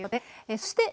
そして。